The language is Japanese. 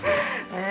ねえ。